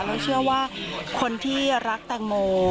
แล้วเชื่อว่าคนที่รักแตงโม